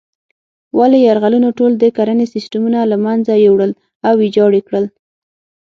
ولې یرغلونو ټول د کرنې سیسټمونه له منځه یوړل او ویجاړ یې کړل.